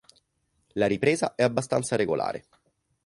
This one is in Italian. La Ripresa è abbastanza regolare.